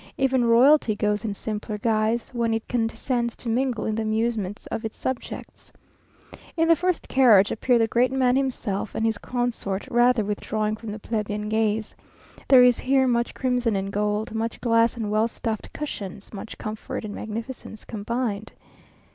Even royalty goes in simpler guise, when it condescends to mingle in the amusements of its subjects. In the first carriage appear the great man himself and his consort, rather withdrawing from the plebeian gaze. There is here much crimson and gold, much glass and well stuffed cushions, much comfort and magnificence combined.